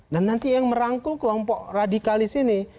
nah nanti yang merangkul kelompok radikalis ini